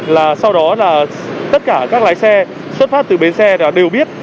là sau đó là tất cả các lái xe xuất phát từ bến xe là đều biết